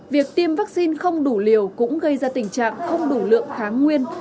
việc tiêm vaccine không đủ liều cũng gây ra tình trạng không đủ lượng kháng nguyên